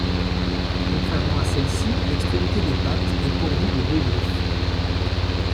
Contrairement à celle-ci, l'extrémité des pattes est pourvue de deux griffes.